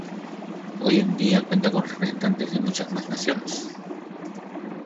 Hoy en día cuenta con representantes de muchas más naciones.